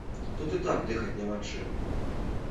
Тут і так дыхаць няма чым!